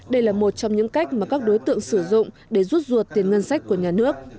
đây là một trong những cách mà các đối tượng sử dụng để rút ruột tiền ngân sách của nhà nước